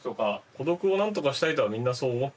孤独を何とかしたいとはみんなそう思ってると思う。